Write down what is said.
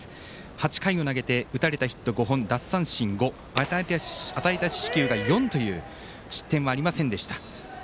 ８回を投げて打たれたヒット５本奪三振５四死球は４失点はありませんでした。